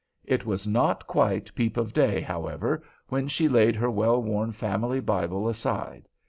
It was not quite peep of day, however, when she laid her well worn family Bible aside.